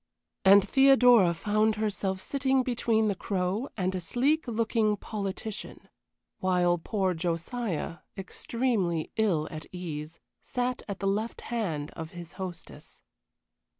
And Theodora found herself sitting between the Crow and a sleek looking politician; while poor Josiah, extremely ill at ease, sat at the left hand of his hostess.